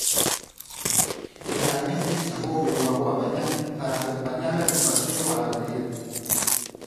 Finalmente chamoume unha boa mañá para acompañala nun paseo á aldea.